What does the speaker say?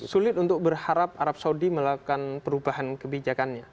sulit untuk berharap arab saudi melakukan perubahan kebijakannya